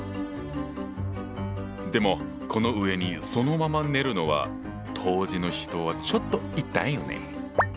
でもこの上にそのまま寝るのは当時の人はちょっと痛いよね。